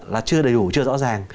là chưa đầy đủ chưa rõ ràng